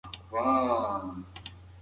هغه په ځواب ورکولو کې هیڅ ځنډ نه کوي.